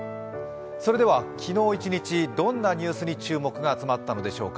それでは昨日一日、どんなニュースに注目が集まったのでしょうか。